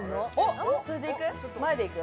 それで行く？